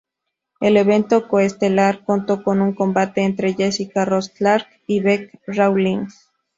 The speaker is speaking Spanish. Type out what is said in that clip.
El evento co-estelar contó con un combate entre Jessica Rose-Clark y Bec Rawlings.